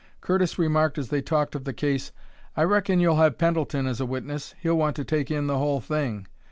Curtis remarked, as they talked of the case: "I reckon you'll have Pendleton as a witness; he'll want to take in the whole thing.